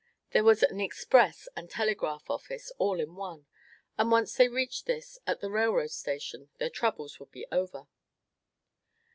There was an express and telegraph office all in one, and once they reached this, at the railroad station, their troubles would be over.